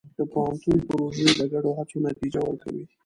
د پوهنتون پروژې د ګډو هڅو نتیجه ورکوي.